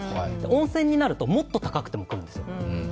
温泉になると、もっと高くても来るんですよ。